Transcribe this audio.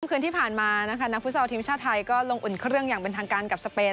คืนที่ผ่านมานะคะนักฟุตซอลทีมชาติไทยก็ลงอุ่นเครื่องอย่างเป็นทางการกับสเปน